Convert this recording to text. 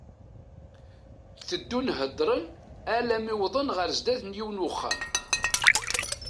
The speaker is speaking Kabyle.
Teddun heddren alammi wwḍen ɣer sdat n yiwen n uxxam.